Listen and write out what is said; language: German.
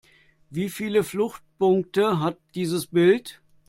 Wie viele Fluchtpunkte hat dieses Bild?